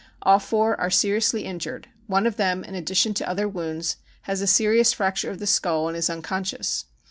Ail four are seriously injured ; one of them, in addition to other wounds, has a serious fracture of the skull and is unconscious.